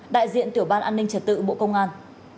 đại diện tiểu ban an ninh trật tự bộ công an